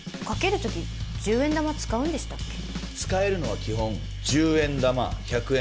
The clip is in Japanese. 使えるのは基本１０円玉１００円